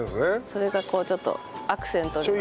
それがこうちょっとアクセントに。